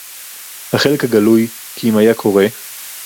החלק הגלוי - כי אם היה קורא